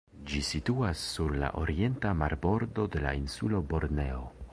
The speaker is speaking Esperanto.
Ĝi situas sur la orienta marbordo de la insulo Borneo.